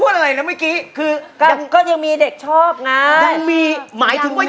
เดี๋ยวผมขออนุญาตนั่งก่อนนะครับผม